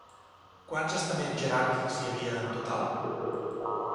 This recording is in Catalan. Quants estaments jeràrquics hi havia en total?